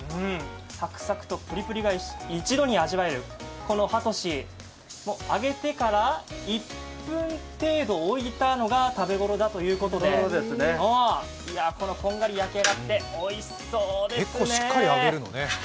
サクサクとプリプリが一度に味わえるこのハトシ、揚げてから１分程度置いたのが食べごろだということでこんがり焼き上がっておいしそうですね。